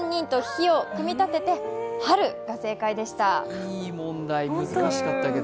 いい問題、難しかったけど。